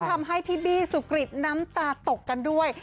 ทำให้พี่บี้สุกริตน้ำตาตกกันด้วย